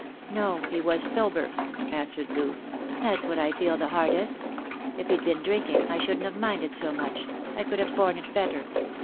" No, he was sober," answered Loo ;" that's what I feel the hardest. If he'd been drinking, I shouldn't have minded so much ; I could have borne it better.